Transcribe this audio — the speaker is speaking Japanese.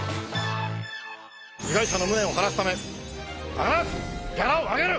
被害者の無念を晴らすため必ずギャラを上げる！